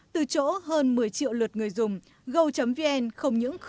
từ chỗ hơn một mươi triệu lượt người dùng